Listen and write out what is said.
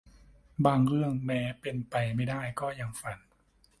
บางเรื่องแม้เป็นไปไม่ได้ก็ยังฝัน